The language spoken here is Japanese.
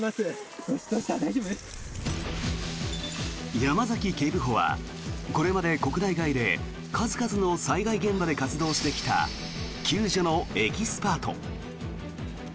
山崎警部補はこれまで国内外で数々の災害現場で活動してきた救助のエキスパート。